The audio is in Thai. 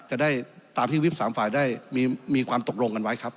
จะได้ตามที่วิป๓ฝ่ายได้มีความตกลงกันไว้ครับ